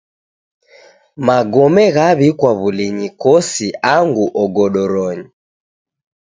Magome ghaw'ikwa w'ulinyi kosi angu ogodoronyi.